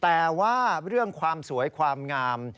แต่ว่าเรื่องความสวยความงาม